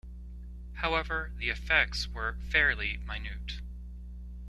However, the effects were fairly minute.